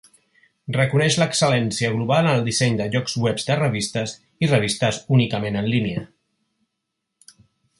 Reconeix l'excel·lència global en el disseny de llocs webs de revistes i revistes únicament en línia.